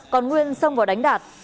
còn nguyên xông vào đánh đạt